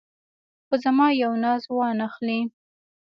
خو زما یو ناز وانه خلې.